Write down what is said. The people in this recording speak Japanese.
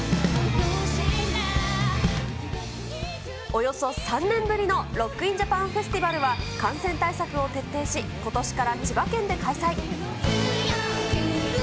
およそ３年ぶりのロック・イン・ジャパンフェスティバルは、感染対策を徹底し、ことしから千葉県で開催。